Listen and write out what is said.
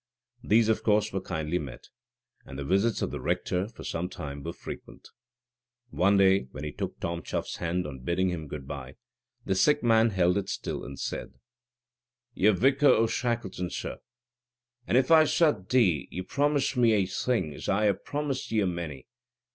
These, of course, were kindly met; and the visits of the rector, for some time, were frequent. One day, when he took Tom Chuff's hand on bidding him good bye, the sick man held it still, and said: "Ye'r vicar o' Shackleton, sir, and if I sud dee, ye'll promise me a'e thing, as I a promised ye a many.